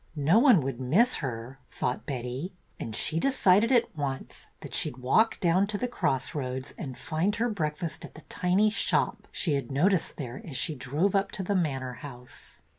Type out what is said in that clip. No one would miss her, thought Betty, and she decided at once that she 'd walk down to the cross roads and find her breakfast at the tiny shop she had noticed there as they drove up to the manor house.